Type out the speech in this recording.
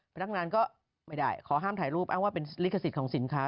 พนักงานก็ก็ไม่ได้ขอห้ามถ่ายรูปเป็นริขสินค้า